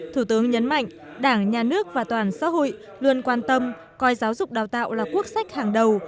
thủ tướng nhấn mạnh đảng nhà nước và toàn xã hội luôn quan tâm coi giáo dục đào tạo là quốc sách hàng đầu